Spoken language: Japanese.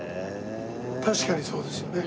確かにそうですよね。